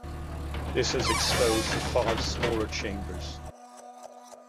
This has exposed the five smaller chambers.